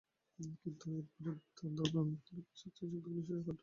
কিন্তু এর বিরুদ্ধে আন্দোলন করার মতো রাজনৈতিক শক্তি সোচ্চার হয়ে উঠতে পারেনি।